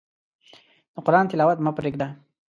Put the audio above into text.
د قرآن تلاوت مه پرېږده.